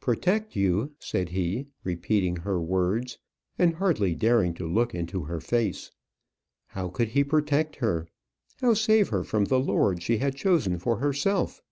"Protect you!" said he, repeating her words, and hardly daring to look into her face. How could he protect her? how save her from the lord she had chosen for herself?